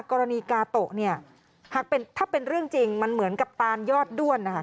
กรณีกาโตะหากถ้าเป็นเรื่องจริงมันเหมือนกับตานยอดด้วน